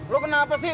lu kenapa sih